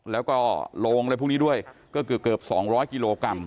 แล้วก็โรงและพวกนี้ด้วยก็คือเกือบสองร้อยกิโลกรัม